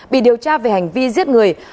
bị điều tra về hành vi giết người